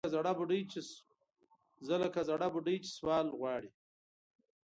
زه لکه زَړه بوډۍ چې سوال غواړي